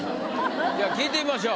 じゃあ聞いてみましょう。